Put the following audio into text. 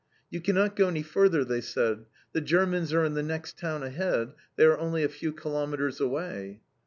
"You cannot go any further," they said. "The Germans are in the next town ahead; they are only a few kilometres away."